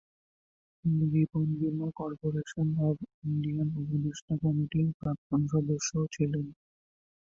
তিনি জীবন বীমা corporation of ইন্ডিয়ার উপদেষ্টা কমিটির প্রাক্তন সদস্যও ছিলেন।